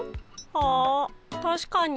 あたしかに。